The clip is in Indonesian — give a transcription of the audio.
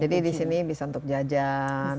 jadi di sini bisa untuk jajan